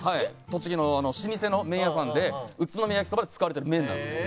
栃木の老舗の麺屋さんで宇都宮焼きそばで使われてる麺なんですよ。